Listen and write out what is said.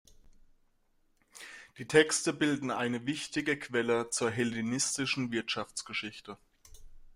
Die Texte bilden eine wichtige Quelle zur hellenistischen Wirtschaftsgeschichte.